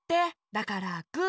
だからグー。